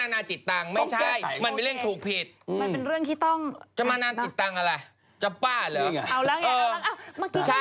นาจิตตังค์ไม่ได้ไม่ใช่นานาจิตตังค์